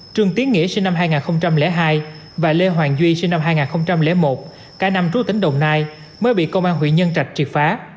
trương tiến nghĩa sinh năm hai nghìn hai và lê hoàng duy sinh năm hai nghìn một cả năm trú tỉnh đồng nai mới bị công an huyện nhân trạch triệt phá